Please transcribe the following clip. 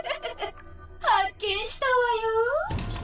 発見したわよ。